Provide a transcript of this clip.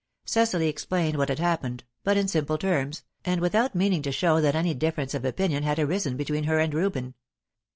Cecily explained what had happened, but in simple terms, and without meaning to show that any difference of opinion had arisen between her and Reuben.